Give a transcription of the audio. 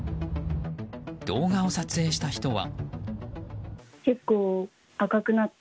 動画を撮影した人は。